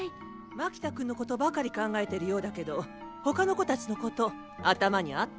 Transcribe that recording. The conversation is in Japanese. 牧田君のことばかり考えてるようだけど他の子たちのこと頭にあった？